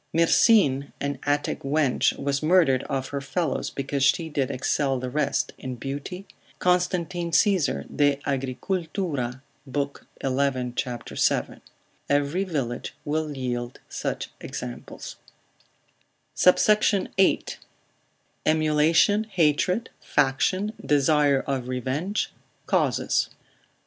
Myrsine, an Attic wench, was murdered of her fellows, because she did excel the rest in beauty, Constantine, Agricult. l. 11. c. 7. Every village will yield such examples. SUBSECT. VIII.—Emulation, Hatred, Faction, Desire of Revenge, Causes.